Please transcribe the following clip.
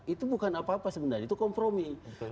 itu bukan apa apa sebenarnya itu kompromi